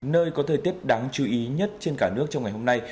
nơi có thời tiết đáng chú ý nhất trên cả nước trong ngày hôm nay